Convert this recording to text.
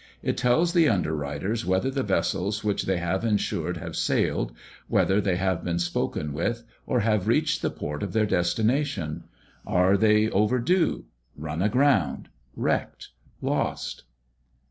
It tells the underwriters whether the vessels which they have insured have sailed, whether they have been spoken with, or have reached the port of their destination. Are they over due? run a ground? wrecked? lost?